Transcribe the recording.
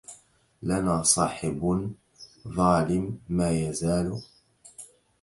لنا صاحب ظالم ما يزال